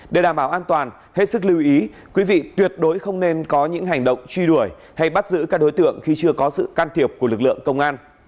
để đảm bảo an toàn hết sức lưu ý quý vị tuyệt đối không nên có những hành động truy đuổi hay bắt giữ các đối tượng khi chưa có sự can thiệp của lực lượng công an